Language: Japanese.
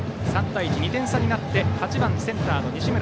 ３対１、２点差になって８番センターの西村。